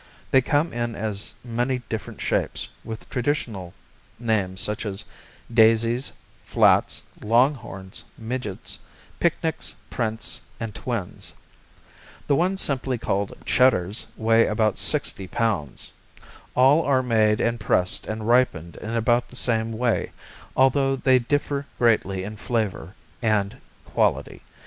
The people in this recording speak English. They come in as many different shapes, with traditional names such as Daisies, Flats, Longhorns, Midgets, Picnics, Prints and Twins. The ones simply called Cheddars weigh about sixty pounds. All are made and pressed and ripened in about the same way, although they differ greatly in flavor and quality.